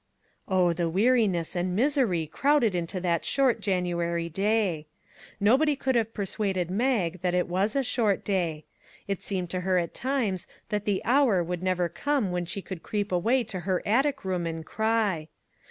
Oh, the weariness and misery crowded into that short January day! Nobody could have persuaded Mag that it was a short day. It seemed to her at times that the hour would never come when she could creep away to her attic room and cry.